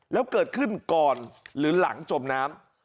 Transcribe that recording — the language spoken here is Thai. แล้วเกิดขึ้นก่อนหรือหลังจมน้ำ